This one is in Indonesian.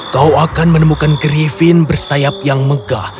kau akan menemukan grifin bersayap yang megah